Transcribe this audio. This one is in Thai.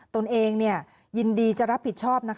ตนเองยินดีจะรับผิดชอบ